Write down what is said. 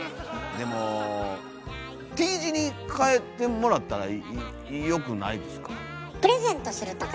でもＴ字に替えてもらったらよくないですか？